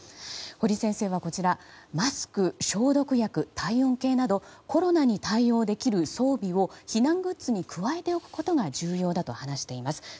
堀先生はマスク、消毒薬、体温計などコロナに対応できる装備を避難グッズに加えておくことが重要だと話しています。